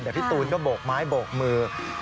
แต่พี่ตูนก็โบกไม้โบกมือ